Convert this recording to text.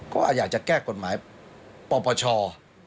ก็อาจจะแก้กฎหมายปประชขึ้นมา